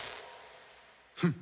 フッ。